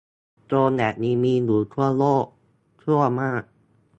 โจรแบบนี้มีอยู่ทั่วโลก ชั่วมาก